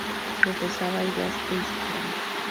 Profesaba ideas de izquierda.